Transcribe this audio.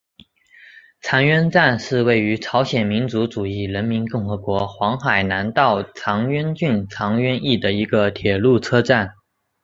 长渊站是位于朝鲜民主主义人民共和国黄海南道长渊郡长渊邑的一个铁路车站。